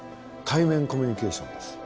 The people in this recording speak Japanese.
対面コミュニケーションです。